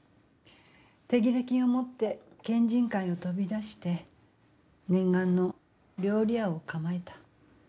手切れ金を持って県人会を飛び出して念願の料理屋を構えた。